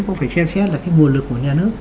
cũng phải xem xét là cái nguồn lực của nhà nước